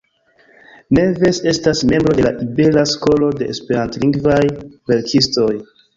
Neves estas membro de la Ibera Skolo de Esperantlingvaj verkistoj.